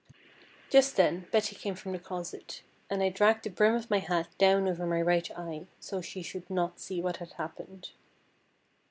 Just then Betty came from the closet, and I dragged the brim of my hat down over my right eye, so she should not see what had happened.